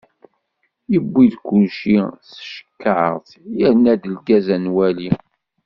Yewwi-d kulci s tcekkart, yerna-d lgaz ad nwali.